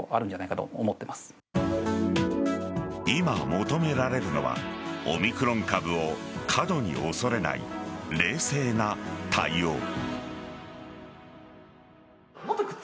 今、求められるのはオミクロン株を過度に恐れない冷静な対応。